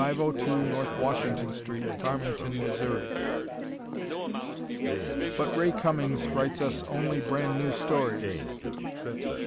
C., 502 N. Washington St., Farmington, Missouri. _But Ray Cummings Writes Us Only Brand New Stories!